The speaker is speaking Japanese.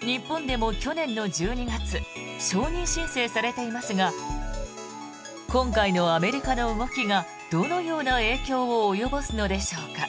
日本でも去年の１２月承認申請されていますが今回のアメリカの動きがどのような影響を及ぼすのでしょうか。